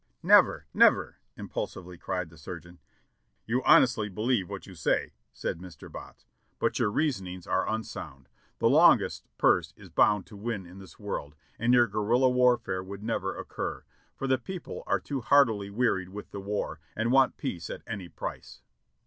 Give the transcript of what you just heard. "Never, never!" impulsively cried the surgeon. "You honestly believe what you say," said Mr. Botts, "but your reasonings are unsound. The longest purse is bound to win in this world, and your guerrilla warfare would never occur, for the people are too heartily wearied with the war, and want peace at any price."